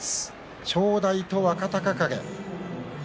正代と若隆景。